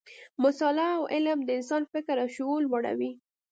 مطالعه او علم د انسان فکر او شعور لوړوي.